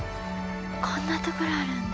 こんなところあるんだ。